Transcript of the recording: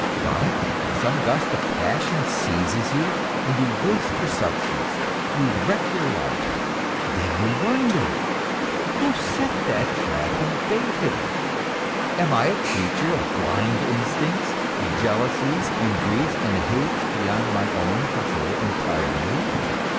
But some gust of passion seizes you, and you waste your substance, you wreck your life; then you wonder, "Who set that trap and baited it? Am I a creature of blind instincts, jealousies and greeds and hates beyond my own control entirely?